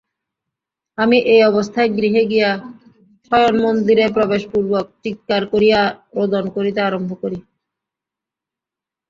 আমি এই অবস্থায় গৃহে গিয়া শয়নমন্দিরে প্রবেশপূর্বক চীৎকার করিয়া রোদন করিতে আরম্ভ করি।